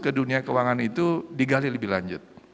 ke dunia keuangan itu digali lebih lanjut